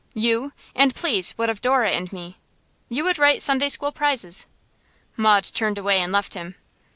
'You? And please what of Dora and me?' 'You would write Sunday school prizes.' Maud turned away and left him.